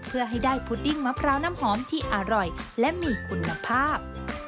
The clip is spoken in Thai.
เพื่อให้ได้พุดดิ้งมะพร้าวน้ำหอมที่อร่อยและมีคุณภาพ